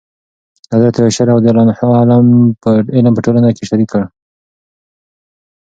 حضرت عایشه رضي الله عنها علم په ټولنه کې شریک کړ.